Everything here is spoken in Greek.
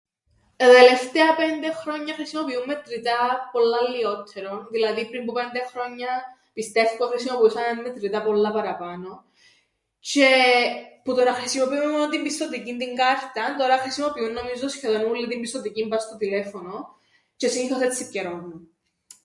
Τα τελευταία πέντε χρόνια χρησιμοποιούμεν μετρητά πολλά λλιότερον δηλαδή πριν που πέντε χρόνια πιστεύκω εχρησιμοποιούσαμεν μετρητά πολλά παραπάνω τζ̆αι που το να χρησιμοποιούμεν μόνο την πιστωτικήν την κάρταν τωρά χρησιμοποιούν νομίζω σχεδόν ούλλοι την πιστωτικήν πά' στο τηλέφωνον τζ̆αι συνήθως έτσι πκιερώννουν.